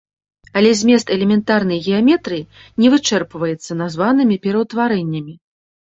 Але змест элементарнай геаметрыі не вычэрпваецца названымі пераўтварэннямі.